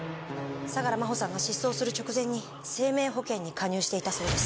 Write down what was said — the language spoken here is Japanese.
相良真帆さんが失踪する直前に生命保険に加入していたそうです。